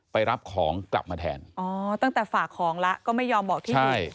ไปรับของกลับมาแทนอ๋อตั้งแต่ฝากของแล้วก็ไม่ยอมบอกที่นี่